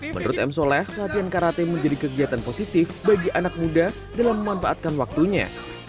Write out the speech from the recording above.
menurut m soleh latihan karate menjadi kegiatan positif bagi anak muda dalam memanfaatkan waktunya